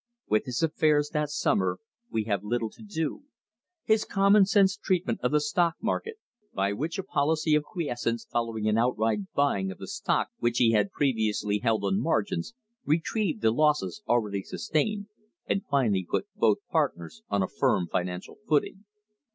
With his affairs that summer we have little to do. His common sense treatment of the stock market, by which a policy of quiescence following an outright buying of the stock which he had previously held on margins, retrieved the losses already sustained, and finally put both partners on a firm financial footing.